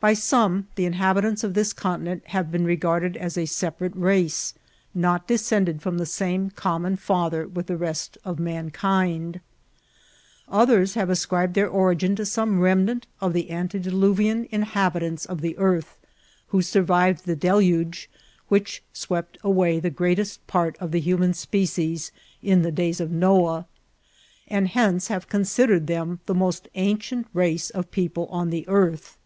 By some the inhabitants of this continent have been regarded as a separate race, not descended from the same common Ceither with the rest of mankind ; others have ascribed their origin to some remnant of the antediluvian inhabitants of the earth, who survived the deluge which swept away the greatest part of the human species in the days of Noah, and hence have considered them the most ancient race of people on the earth.